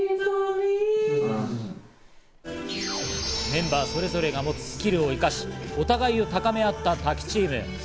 メンバーそれぞれが持つスキルを生かし、お互いを高めあったＴＡＫＩチーム。